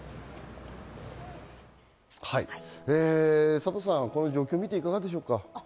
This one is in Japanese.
サトさん、この状況をみていかがでしょうか。